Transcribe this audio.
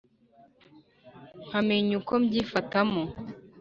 nkamenya uko mbyifatamo